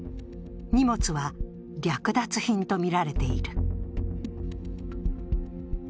荷物は略奪品とみられている。